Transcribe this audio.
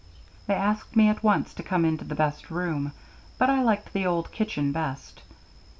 They asked me at once to come into the best room, but I liked the old kitchen best.